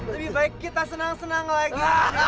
lebih baik kita senang senang lagi